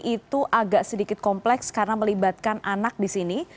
itu agak sedikit kompleks karena melibatkan anak di sini